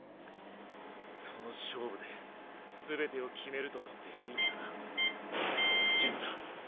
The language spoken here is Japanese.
その勝負で全てを決めると取っていいんだな純太。